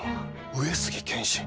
上杉謙信。